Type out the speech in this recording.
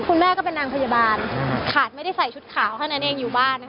คุณแม่ก็เป็นนางพยาบาลขาดไม่ได้ใส่ชุดขาวเท่านั้นเองอยู่บ้าน